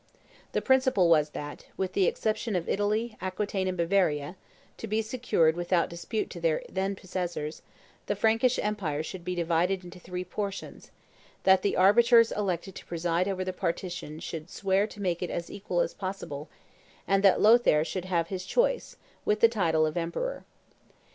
The principal was that, with the exception of Italy, Aquitaine, and Bavaria, to be secured without dispute to their then possessors, the Frankish empire should be divided into three portions, that the arbiters elected to preside over the partition should swear to make it as equal as possible, and that Lothaire should have his choice, with the title of Emperor.